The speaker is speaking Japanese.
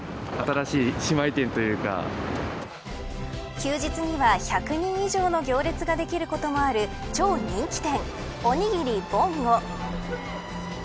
休日には１００人以上の行列ができることもある超人気店。